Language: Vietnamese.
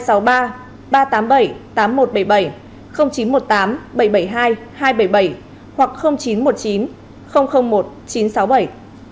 cảm ơn các bạn đã theo dõi và hẹn gặp lại